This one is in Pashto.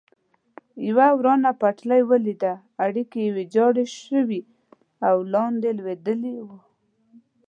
یوه ورانه پټلۍ ولیده، اړیکي یې ویجاړ شوي او لاندې لوېدلي و.